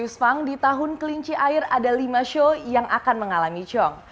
menurut julius feng di tahun kelinci air ada lima show yang akan mengalami cong